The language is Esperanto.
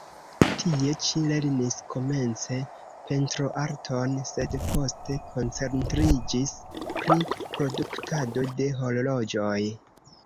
Tie ĉi lernis komence pentroarton, sed poste koncentriĝis pri produktado de horloĝoj.